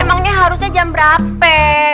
emangnya harusnya jam berapa